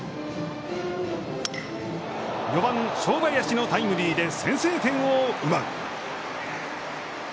４番正林のタイムリーで先制点を奪う。